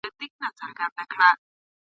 اوس دي په غزل کي شرنګ د هري مسرۍ څه وايي !.